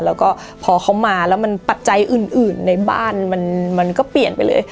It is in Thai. แล้วก็พอเขามาแล้วมันปัจจัยอื่นในบ้านมันก็เปลี่ยนไปเลย